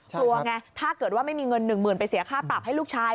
กลัวไงถ้าเกิดว่าไม่มีเงินหนึ่งหมื่นไปเสียค่าปรับให้ลูกชาย